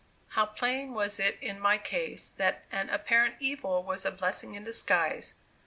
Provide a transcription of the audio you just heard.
How plain was it in my case, that an "apparent evil" was a "blessing in disguise!"